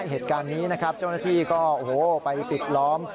เหตุการณ์นี้นะครับเจ้าหน้าที่ก็โอ้โหไปปิดล้อม